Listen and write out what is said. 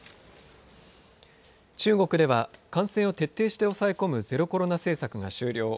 中国では感染徹底して押さえ込むゼロコロナ政策が終了。